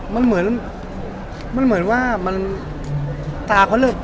มันเหมือนมันเหมือนว่ามันตาเขาเริ่ม